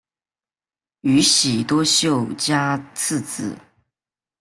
宇喜多秀家次子。